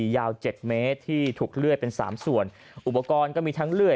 ยาวเจ็ดเมตรที่ถูกเลื่อยเป็นสามส่วนอุปกรณ์ก็มีทั้งเลื่อย